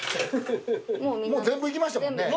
もう全部いきましたもんね。